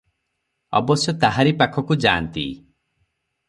ଅବଶ୍ୟ ତାହାରି ପାଖକୁ ଯାନ୍ତି ।